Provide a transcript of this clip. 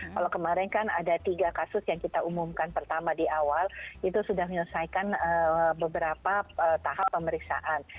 kalau kemarin kan ada tiga kasus yang kita umumkan pertama di awal itu sudah menyelesaikan beberapa tahap pemeriksaan